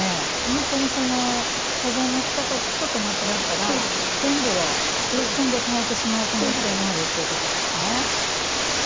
本当に保存のしかたちょっと間違ったら全部が一瞬で絶えてしまう可能性があるということですね。